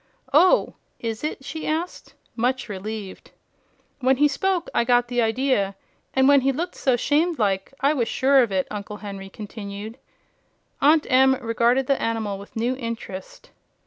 "Oh, is it?" she cried, much relieved. "When he spoke, I got the idea; and when he looked so 'shamed like, I was sure of it," Uncle Henry continued. Aunt Em regarded the animal with new interest.